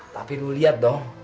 tapi lu liat dong